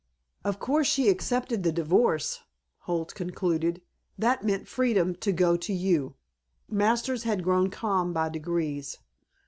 "Of course she accepted the divorce," Holt concluded. "That meant freedom to go to you." Masters had grown calm by degrees.